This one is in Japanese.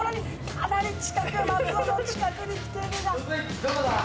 かなり近く松尾の近くに来ているが。